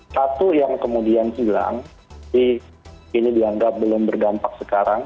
satu yang kemudian hilang ini dianggap belum berdampak sekarang